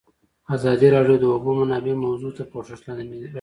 ازادي راډیو د د اوبو منابع موضوع تر پوښښ لاندې راوستې.